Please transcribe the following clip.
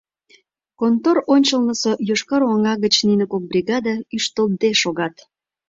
Контор ончылнысо йошкар оҥа гыч нине кок бригада ӱштылтде шогат.